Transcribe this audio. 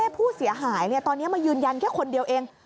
ผู้เสียหายตอนนี้มายืนยันแค่คนเดียวเอง